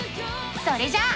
それじゃあ。